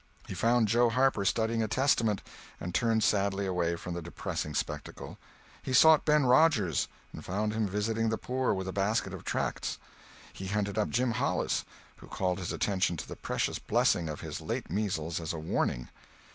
He found Joe Harper studying a Testament, and turned sadly away from the depressing spectacle. He sought Ben Rogers, and found him visiting the poor with a basket of tracts. He hunted up Jim Hollis, who called his attention to the precious blessing of his late measles as a warning.